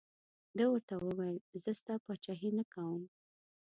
ده ورته وویل زه ستا پاچهي نه کوم.